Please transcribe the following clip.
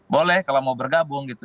boleh kalau mau bergabung gitu